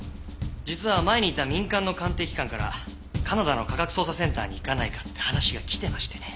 実は前にいた民間の鑑定機関からカナダの科学捜査センターに行かないかって話が来てましてね。